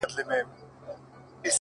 • نو دغه نوري شپې بيا څه وكړمه؛